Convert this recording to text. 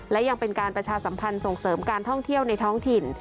และยังเป็นการประชาสัมพันธ์ส่งเสริมการท่องเที่ยวในท้องถิ่น